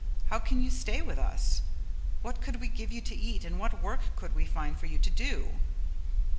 How can you stay with us; what could we give you to eat and what work could we find for you to do?"